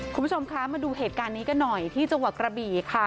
คุณผู้ชมคะมาดูเหตุการณ์นี้กันหน่อยที่จังหวัดกระบี่ค่ะ